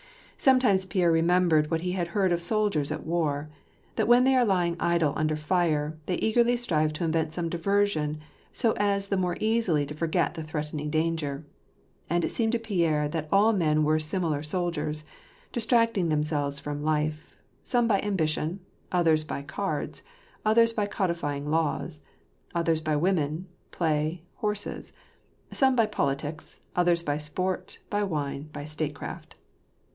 Sometimes Pierre remembered what he had heard of sol diers at war : that when they are lying idle under fire, they eagerly strive to invent some diversion, so as the more easily to forget the threatening danger. And it seemed to Pierre that all men were, similar soldiers^ distracting themselves from life : some by ambition ; others by cards ; others by codifying laws ; others by women, plays, horses ; some by politics ; others by sport, by wine, by statecraft.